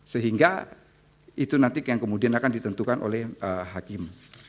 sehingga itu nanti yang kemudian akan ditentukan oleh hakim